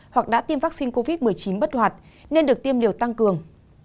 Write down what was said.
hoặc đã tiêm vaccine covid một mươi chín bất hoạt nên được tiêm liều tăng cường